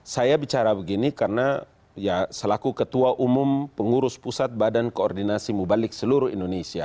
saya bicara begini karena ya selaku ketua umum pengurus pusat badan koordinasi mubalik seluruh indonesia